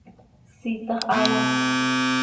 ¿Siitax haaya?